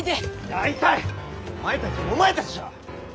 大体お前たちもお前たちじゃ！